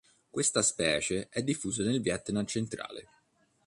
Questa specie è diffusa nel Vietnam centrale.